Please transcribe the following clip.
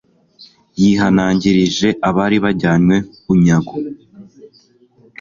yihanangirije abari bajyanywe bunyago